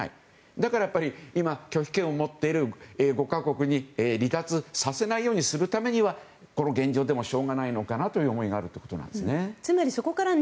だから、今拒否権を持っている５か国に離脱させないようにするためにはこの現状でもしょうがないのかなという思いがあるのかなということですね。